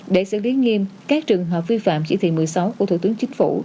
để xử lý nghiêm các trường hợp vi phạm chỉ thị một mươi sáu của thủ tướng chính phủ